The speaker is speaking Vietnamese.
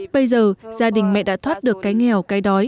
bây giờ gia đình mẹ đã thoát được cái nghèo cái đói